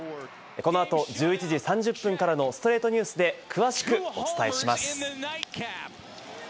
この後、１１時３０分からの『ストレイトニュース』で詳しくお伝えします。